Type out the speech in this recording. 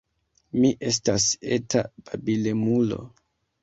Mi estas eta babilemulo.